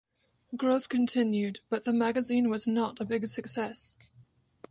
Growth continued, but the magazine was not a big success.